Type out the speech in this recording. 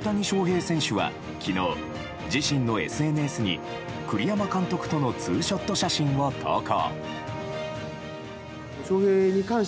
大谷翔平選手は昨日自身のＳＮＳに栗山監督とのツーショット写真を投稿。